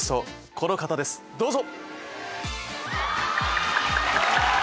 この方ですどうぞ。